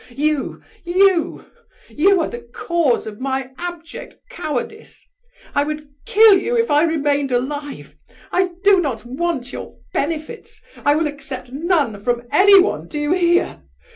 You, you, you are the cause of my abject cowardice! I would kill you if I remained alive! I do not want your benefits; I will accept none from anyone; do you hear?